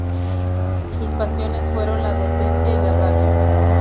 Sus pasiones fueron la docencia y la radio.